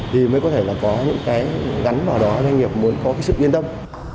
thì mới có thể là có những cái gắn vào đó doanh nghiệp muốn có cái sự yên tâm